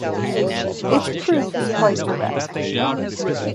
Its proof is quite direct.